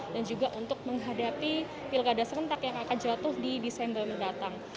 dan juga untuk menghadapi pilgada serentak yang akan jatuh di desember mendatang